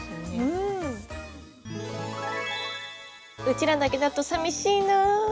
「うちらだけだとさみしいなぁ。